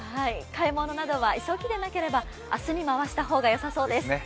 買い物などは急ぎでなければ明日に回した方がよさそうですね。